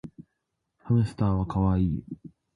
ハムスターはかわいい